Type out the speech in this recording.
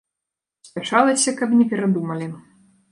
Спяшалася, каб не перадумалі.